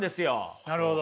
なるほど。